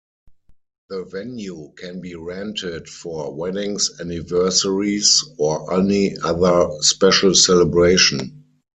The venue can be rented for weddings, anniversaries, or any other special celebration.